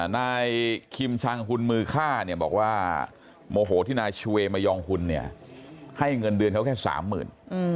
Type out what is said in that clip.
นายคิมชังหุ่นมือฆ่าเนี่ยบอกว่าโมโหที่นายชูเวยมายองหุ้นเนี่ยให้เงินเดือนเขาแค่สามหมื่น